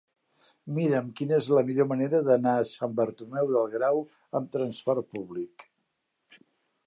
Mira'm quina és la millor manera d'anar a Sant Bartomeu del Grau amb trasport públic.